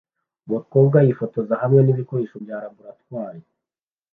Umukobwa yifotoza hamwe nibikoresho bya laboratoire